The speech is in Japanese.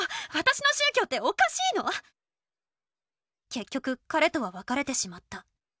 「結局彼とは別れてしまった。